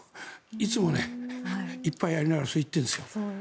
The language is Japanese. いつも１杯やりながらそう言ってるんです。